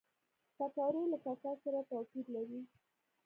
پکورې له کوکو سره توپیر لري